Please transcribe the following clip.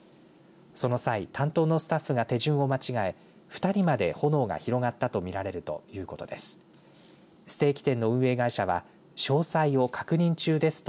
その際担当のスタッフが手順を間違え２人まで炎が広がったとみられるということです。